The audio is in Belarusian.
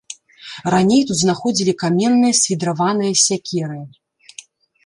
Раней тут знаходзілі каменныя свідраваныя сякеры.